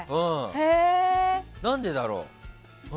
何でだろう？